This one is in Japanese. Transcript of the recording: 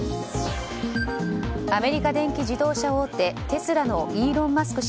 アメリカ電気自動車大手テスラのイーロン・マスク